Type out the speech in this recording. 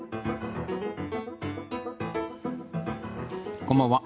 こんばんは。